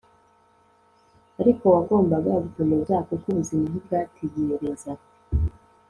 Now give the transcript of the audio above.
ariko wagombaga gukomeza kuko ubuzima ntibwategereza